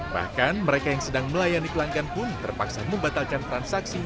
bahkan mereka yang sedang melayani pelanggan pun terpaksa membatalkan transaksi